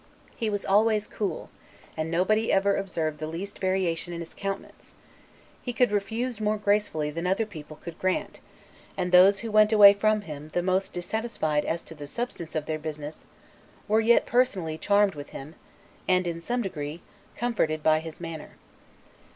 He was always cool; and nobody ever observed the least variation in his countenance; he could refuse more gracefully than other people could grant; and those who went away from him the most dissatisfied as to the substance of their business, were yet personally charmed with him and, in some degree, comforted by his manner.